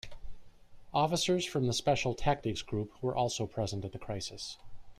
Officers from the Special Tactics Group were also present at the crisis.